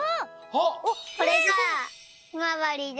これがひまわりで。